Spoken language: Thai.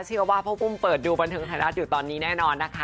เชื่อว่าพ่อกุ้มเปิดดูบันเทิงไทยรัฐอยู่ตอนนี้แน่นอนนะคะ